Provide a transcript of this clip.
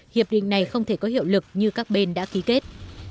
hiệp định này không thể có hiệu lực như các bên đã ký kết